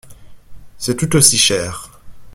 C’est tout aussi cher.